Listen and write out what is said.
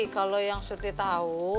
kalau yang surti tahu